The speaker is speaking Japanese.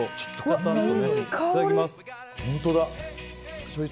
いただきます。